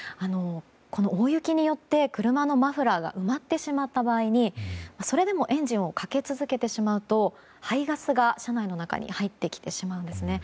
大雪によって車のマフラーが埋まってしまった場合にそれでもエンジンをかけ続けてしまうと排ガスが車内の中に入ってきてしまうんですね。